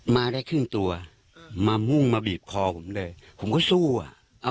มาได้ครึ่งตัวมามุ่งมาบีบคอผมเลยผมก็สู้อ่ะ